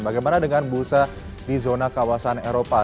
bagaimana dengan bursa di zona kawasan eropa